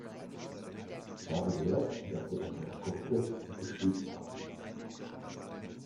Ich habe gehört, dass Sie an Herrn Coates geschrieben haben.